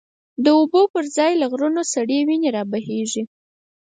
د اوبو پر ځای له غرونو، سری وینی را بهیږی